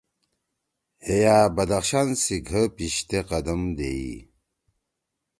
ہے یأ بدخشان سی گھہ پیِشتے اے قدم دیئی